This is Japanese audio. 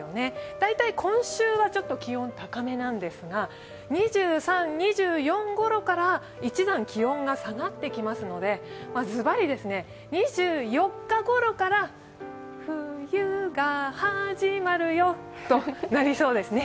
大体今週は気温が高めですが、２３、２４ごろから一段、気温が下がってきますので、ズバリ２４日ごろから冬がはじまるよとなりそうですね。